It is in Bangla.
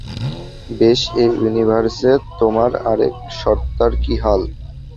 বেশ, এই ইউনিভার্সে তোমার আরেক সত্তার কী হাল?